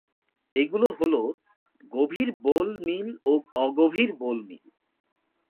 এগুলো হলো- গভীর বোল মিল ও অগভীর বোল মিল।